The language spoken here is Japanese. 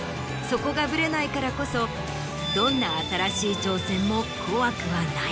そこがぶれないからこそどんな新しい挑戦も怖くはない。